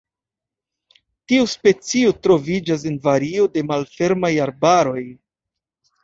Tiu specio troviĝas en vario de malfermaj arbaroj.